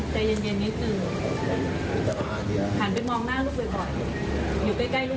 ก็แล้วแต่คดีค่ะสำรวจก็ว่าไปตามคุณ